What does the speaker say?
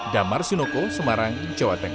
damar sinoko semarang jawa tengah